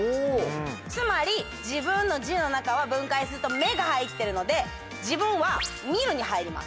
つまり「自分」の「自」の中は分解すると「目」が入ってるので「自分」は「見る」に入ります。